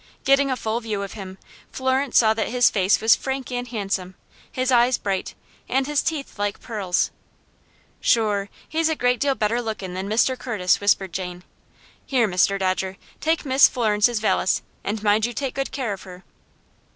Getting a full view of him, Florence saw that his face was frank and handsome, his eyes bright, and his teeth like pearls. "Shure, he's a great deal better lookin' than Mr. Curtis," whispered Jane. "Here, Mr. Dodger, take Miss Florence's valise, and mind you take good care of her."